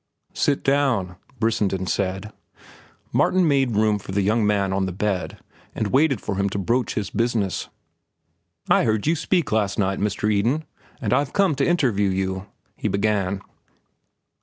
"Sit down," Brissenden said. Martin made room for the young man on the bed and waited for him to broach his business. "I heard you speak last night, Mr. Eden, and I've come to interview you," he began.